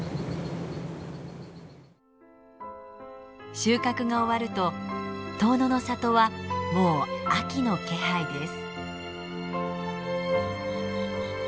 収穫が終わると遠野の里はもう秋の気配です。